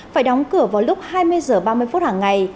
phải đóng cửa vào lúc hai mươi h ba mươi phút hàng ngày